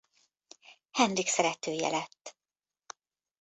Henrik szeretője lett.